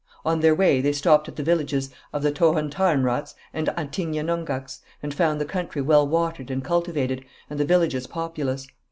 On their way they stopped at the villages of the Tohontahenrats and Attignenonghacs, and found the country well watered and cultivated, and the villages populous.